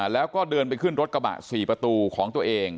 แล้วก็เดินไปขึ้นรถกระบะ๔ประตูของตัวเอง